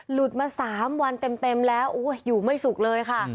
หลุดมา๓วันเต็มแล้วอยู่ไม่สุขเลยค่ะ